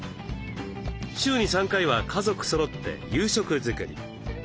週に３回は家族そろって夕食づくり。